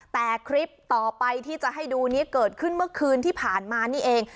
แต่คลิปต่อไปที่จะให้ดูนี้เกิดขึ้นเมื่อคืนที่ผ่านมานี่เอง